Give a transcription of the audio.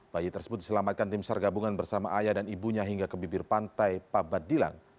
bayi tersebut diselamatkan tim sargabungan bersama ayah dan ibunya hingga ke bibir pantai pabatdilang